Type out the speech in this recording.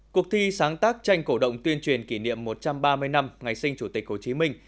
cuộc thi sáng tác tranh cổ động tuyên truyền kỷ niệm một trăm ba mươi năm ngày sinh chủ tịch hồ chí minh